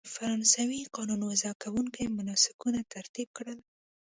فرانسوي قانون وضع کوونکو مناسکونه ترتیب کړل.